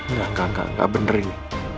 nggak kanker nggak bener ini